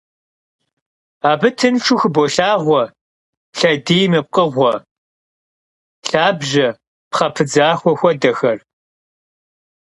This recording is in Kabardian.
Abı tınşşu xıbolhağue lhediym yi pkhığue, lhabje, pxhe pıdzaxue xuedexer.